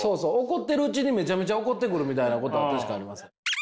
怒ってるうちにめちゃめちゃ怒ってくるみたいなことは確かに。